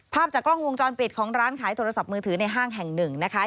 ภาพจากกล้องวงจรปิดของร้านขายโทรศัพท์มือถือในห้างแห่งหนึ่งนะคะ